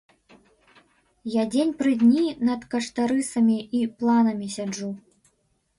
Я дзень пры дні над каштарысамі і планамі сяджу.